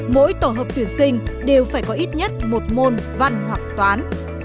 mỗi tổ hợp tuyển sinh đều phải có ít nhất một môn văn hoặc toán